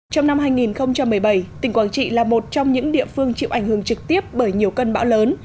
trong năm hai nghìn một mươi bảy tỉnh quảng trị là một trong những địa phương chịu ảnh hưởng trực tiếp bởi nhiều cơn bão lớn